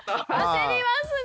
焦りますね！